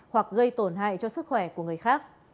hoặc gây tổn hại cho sức khỏe của người khác